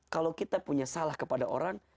kalau kita punya salah kepada orang